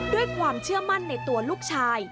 ด้วยความเชื่อมั่นในตัวลูกชาย